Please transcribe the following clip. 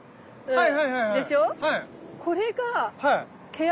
はい。